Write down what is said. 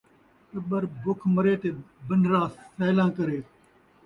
ٹٻر بکھ مرے تے بنرا سیلاں کرے